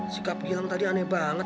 sikap bilang tadi aneh banget